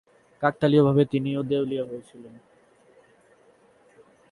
কাকতালীয়ভাবে তিনিও দেউলিয়া ছিলেন।